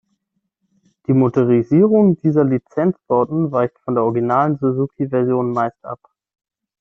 Die Motorisierung dieser Lizenzbauten weicht von der originalen Suzuki-Version meist ab.